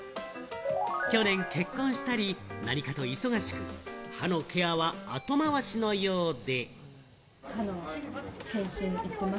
去年、結婚したり何かと忙しく、歯のケアは後回しのようで。